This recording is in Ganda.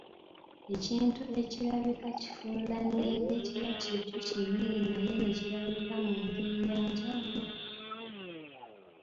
Ekintu ekirabika kifuulannenge kiba kyekyo kye nnyini naye ne kirabika mu ngeri ya njawulo